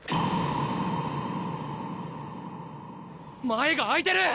前が空いてる！